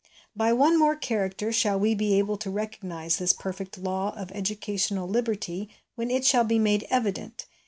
By one more character shall we be able to recognise this perfect law of educational liberty when it shall be made evident.